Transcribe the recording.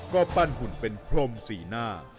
ก็ปั้นหุ่นเป็นพรมสีหน้า